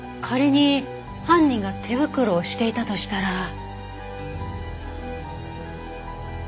仮に犯人が手袋をしていたとしたら。